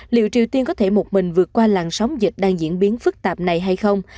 liệu triều tiên có thể một mình vượt qua làn sóng dịch đang diễn biến phức tạp này hay không